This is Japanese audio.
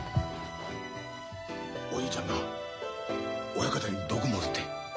おじいちゃんが親方に毒盛るって。